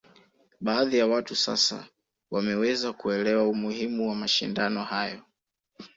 Baadhi ya watu sasa wameweza kuelewa umuhimu wa mashindano hayo